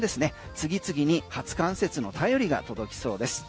次々に初冠雪の便りが届きそうです。